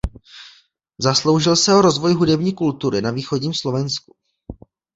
Zasloužil se rozvoj hudební kultury na východním Slovensku.